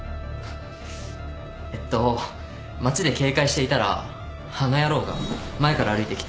えっと街で警戒していたらあの野郎が前から歩いてきて。